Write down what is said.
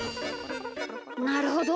なるほど。